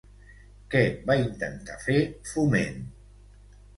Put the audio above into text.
Què va intentar fer Foment?